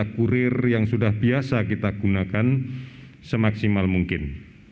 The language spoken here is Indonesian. kurir yang sudah biasa kita gunakan semaksimal mungkin